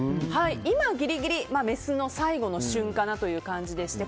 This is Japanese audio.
今ぎりぎりメスの最後の旬かなという感じでして